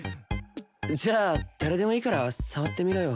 じゃあ誰でもいいから触ってみろよ。